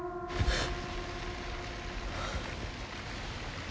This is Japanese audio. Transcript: あっ！